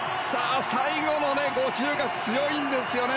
最後の５０が強いんですよね。